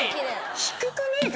低くねえか？